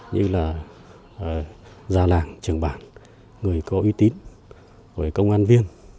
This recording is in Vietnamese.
như là gia làng trường bản người có uy tín công an viên